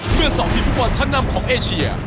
เมื่อ๒ทีมฟุตบอลชั้นนำของเอเชีย